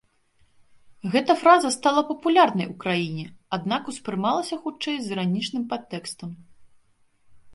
Гэта фраза стала папулярнай у краіне, аднак успрымалася хутчэй з іранічным падтэкстам.